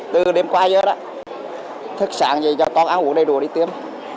từ đêm quay giờ thức sáng dẩy cho toàn áo đùa đi tiêm